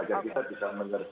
agar kita bisa mengerti